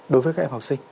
đối với các em học sinh